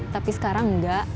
tapi sekarang enggak